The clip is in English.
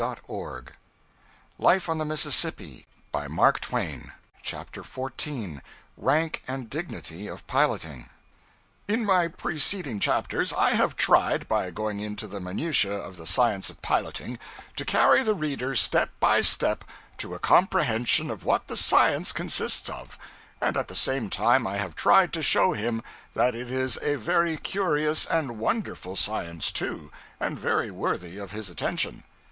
It was, 'Oh, Ben, if you love me, back her!' CHAPTER 14 Rank and Dignity of Piloting IN my preceding chapters I have tried, by going into the minutiae of the science of piloting, to carry the reader step by step to a comprehension of what the science consists of; and at the same time I have tried to show him that it is a very curious and wonderful science, too, and very worthy of his attention.